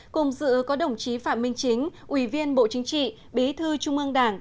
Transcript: cùng dự có đồng chí phạm minh chính ủy viên bộ chính trị bí thư trung ương đảng